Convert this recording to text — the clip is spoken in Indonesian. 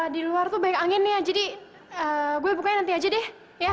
di luar tuh banyak angin nih jadi gue bukanya nanti aja deh ya